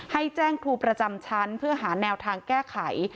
ให้แจ้งครูประจำชั้นเพื่อหาแนวทางแก้ไข